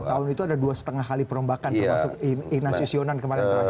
dua tahun itu ada dua lima kali perombakan termasuk ignacio sionan kemarin